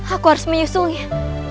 aku harus menyusulnya